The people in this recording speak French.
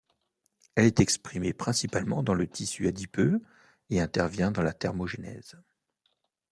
Elle est exprimée principalement dans le tissu adipeux et intervient dans la thermogenèse.